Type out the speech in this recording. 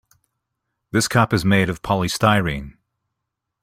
This cup is made of polystyrene.